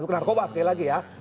bukan narkoba sekali lagi ya